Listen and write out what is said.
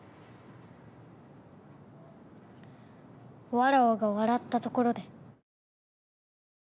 わらわが笑ったところで。